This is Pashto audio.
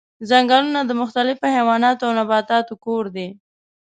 ځنګلونه د مختلفو حیواناتو او نباتاتو کور دي.